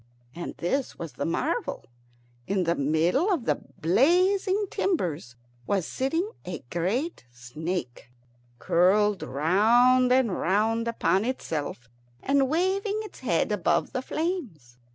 And this was the marvel, that in the middle of the blazing timbers was sitting a great snake, curled round and round upon itself and waving its head above the flames.